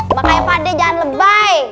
makanya pak d jangan lebay